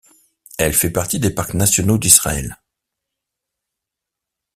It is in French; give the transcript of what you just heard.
Elle fait partie des parcs nationaux d'Israël.